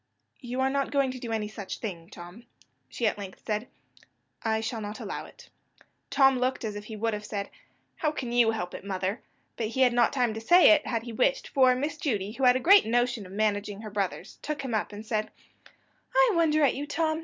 "You are not going to do any such thing, Tom," she at length said; "I shall not allow it." Tom looked as if he would have said, "How can you help it, mother?" but he had not time to say it, had he wished; for Miss Judy, who had a great notion of managing her brothers, took him up, and said: "I wonder at you, Tom.